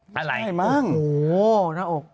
เห้ยอะไรโอ้โหหน้าอกอะไรบ้าง